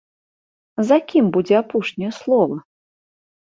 За кім будзе апошняе слова?